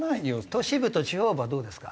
都市部と地方部はどうですか？